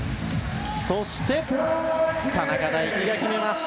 そして、田中大貴が決めます。